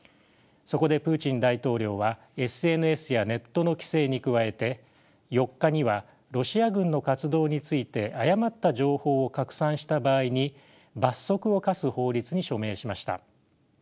そこでプーチン大統領はＳＮＳやネットの規制に加えて４日にはロシア軍の活動について誤った情報を拡散した場合に罰則を科す法律に署名しました。